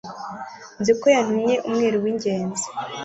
nziko yatumye umwiru w'ingenzi